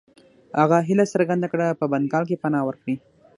هغه هیله څرګنده کړه په بنګال کې پناه ورکړي.